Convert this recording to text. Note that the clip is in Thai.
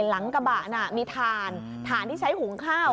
หลังกระบะน่ะมีถ่านถ่านที่ใช้หุงข้าว